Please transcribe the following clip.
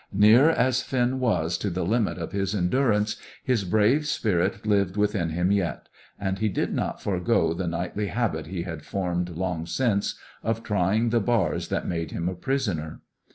Near as Finn was to the limit of his endurance, his brave spirit lived within him yet, and he did not forego the nightly habit he had formed long since of trying the bars that made him a prisoner.